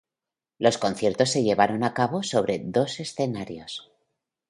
Los conciertos se llevaron a cabo sobre dos escenarios.